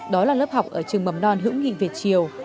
đó là lớp học ở trường mầm non hữu nghị việt triều